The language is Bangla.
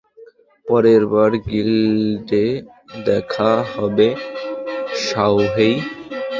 পরেরবার গিল্ডে দেখা হবে, শাওহেই।